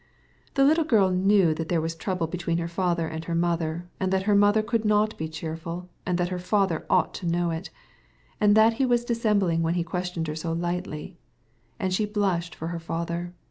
The little girl knew that there was a quarrel between her father and mother, and that her mother could not be cheerful, and that her father must be aware of this, and that he was pretending when he asked about it so lightly. And she blushed for her father.